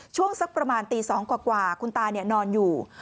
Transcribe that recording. ช่วงสักประมาณตี๒กว่าคุณตานอนอยู่